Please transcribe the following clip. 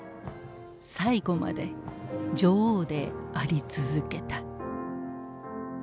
最後まで女王であり続けた。